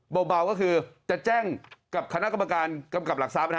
เบาก็คือจะแจ้งกับคณะกรรมการกำกับหลักทรัพย์